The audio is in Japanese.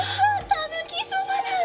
たぬきそばだ！